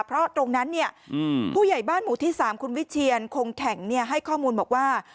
เพราะตรงนั้นผู้ใหญ่บ้านหมู่ที่๓คุณวิเชียนคงแข็งให้ข้อมูลบอกว่า